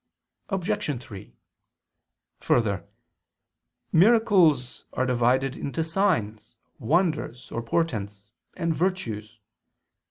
Obj. 3: Further, miracles are divided into "signs," "wonders" or "portents," and "virtues."